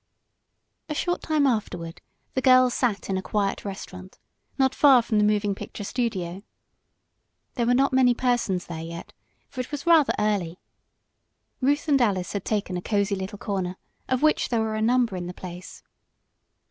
A short time afterward the girls sat in a quiet restaurant, not far from the moving picture studio. There were not many persons there yet, for it was rather early. Ruth and Alice had taken a cosy little corner, of which there were a number in the place.